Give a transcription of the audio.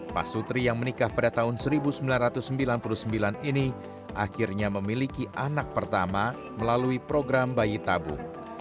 pak sutri yang menikah pada tahun seribu sembilan ratus sembilan puluh sembilan ini akhirnya memiliki anak pertama melalui program bayi tabung